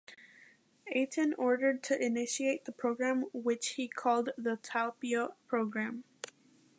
Eitan ordered to initiate the program which he called the Talpiot program.